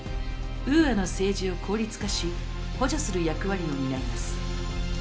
ウーアの政治を効率化し補助する役割を担います。